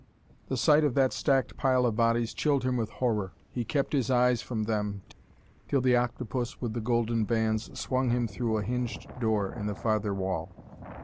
The sight of that stacked pile of bodies chilled him with horror. He kept his eyes from them, till the octopus with the golden bands swung him through a hinged door in the farther wall.